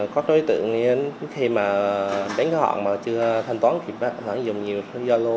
có đối tượng thì khi mà đến cái họ mà chưa thanh toán thì bắt đầu dùng nhiều số gia lô